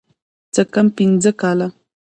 څه کم پينځه کاله.